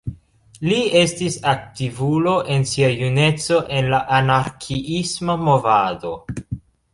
Li estis aktivulo en sia juneco en la anarkiisma movado.